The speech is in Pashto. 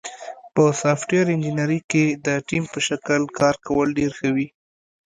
په سافټویر انجینری کې د ټیم په شکل کار کول ډېر ښه وي.